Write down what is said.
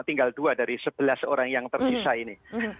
tinggal dua dari sebelas orang yang tersisa ini